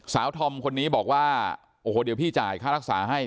ธอมคนนี้บอกว่าโอ้โหเดี๋ยวพี่จ่ายค่ารักษาให้